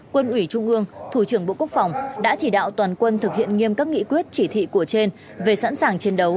quân ủy trung ương thủ trưởng bộ quốc phòng đã chỉ đạo toàn quân thực hiện nghiêm các nghị quyết chỉ thị của trên về sẵn sàng chiến đấu